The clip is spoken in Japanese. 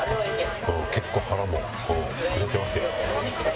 結構腹もうん膨れてますよ。